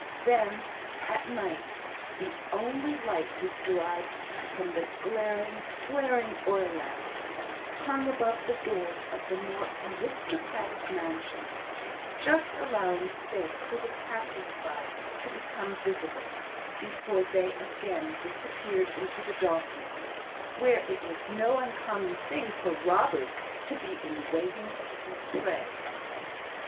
Then, at night, the only light was derived from the glaring, flaring oil lamps hung above the doors of the more aristocratic mansions; just allowing space for the passers by to become visible, before they again disappeared into the darkness, where it was no uncommon thing for robbers to be in waiting for their prey.